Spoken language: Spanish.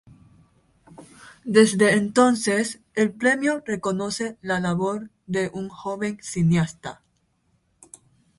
Desde entonces, el premio reconoce la labor de un joven cineasta.